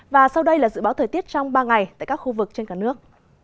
và sau đây là dự báo thời tiết trong ba ngày tại các khu vực trên cả nước